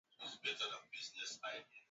miongoni mwa mashtaka hayo ni lile